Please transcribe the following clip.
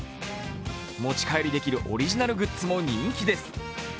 持ち帰りできるオリジナルグッズも人気です。